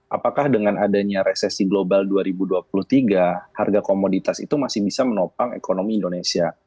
apakah dengan adanya resesi global dua ribu dua puluh tiga harga komoditas itu masih bisa menopang ekonomi indonesia